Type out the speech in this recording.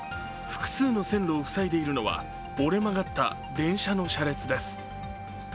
複数の線路を塞いでいるのは折れ曲がった電車の車列です。